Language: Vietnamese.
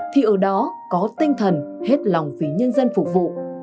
thì ở đó có tinh thần hết lòng phí nhân dân phụ vụ